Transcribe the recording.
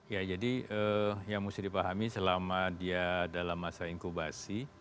ya jadi yang mesti dipahami selama dia dalam masa inkubasi